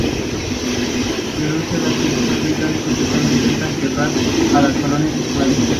Denuncia a los filántropos británicos que solo intentan quebrar a las colonias esclavistas.